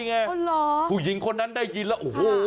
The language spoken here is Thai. อ๋อเหรอคุณผู้หญิงคนนั้นได้ยินแล้วโอ้โห